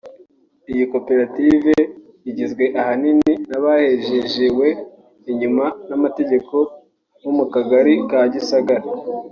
Iyi koperative igizwe ahanini n’abahejejewe inyuma n’amateka bo mu Kagari ka Gisagara